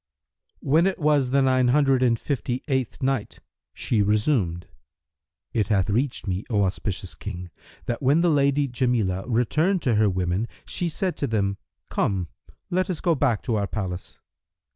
When it was the Nine Hundred and Fifty eighth Night, She resumed, It hath reached me, O auspicious King, that when the Lady Jamilah returned to her women, she said to them, "Come, let us go back to our palace."